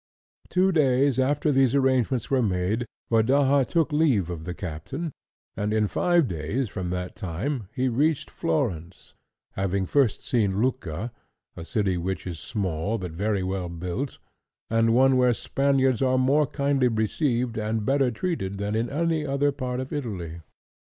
Two days after these arrangements were made, Rodaja took leave of the captain, and in five days from that time he reached Florence, having first seen Lucca, a city which is small but very well built, and one where Spaniards are more kindly received and better treated than in any other part of Italy.